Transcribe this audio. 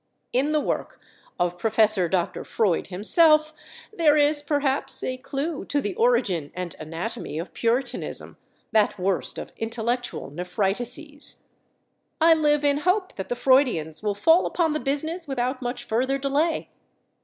In the work of Prof. Dr. Freud himself there is, perhaps, a clew to the origin and anatomy of Puritanism, that worst of intellectual nephritises. I live in hope that the Freudians will fall upon the business without much further delay.